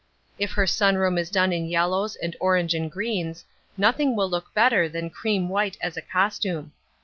If her sun room is done in yellows and orange and greens, nothing will look better than cream white as a costume.